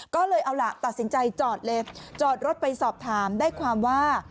ก็เลยเอาหลักตัดสินใจจอดรถไปสอบถามได้ความว่า